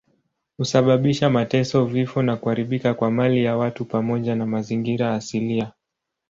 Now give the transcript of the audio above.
Husababisha mateso, vifo na kuharibika kwa mali ya watu pamoja na mazingira asilia.